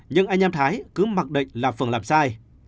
nhưng anh em thái cứ mặc định là phường làm sai